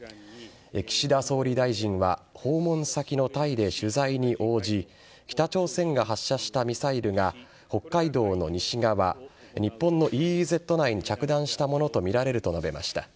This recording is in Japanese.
岸田総理大臣は訪問先のタイで取材に応じ北朝鮮が発射したミサイルが北海道の西側日本のＥＥＺ内に着弾したものとみられると述べました。